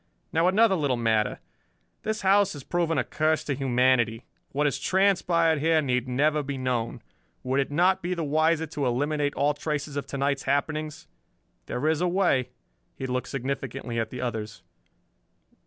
"Now another little matter. This house has proven a curse to humanity. What has transpired here need never be known. Would it not be the wiser to eliminate all traces of to night's happenings? There is a way." He looked significantly at the others.